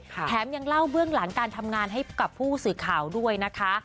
แถมยังเล่าเบื้องหลังการทำงานให้กับผู้สื่อข่าวด้วยนะคะ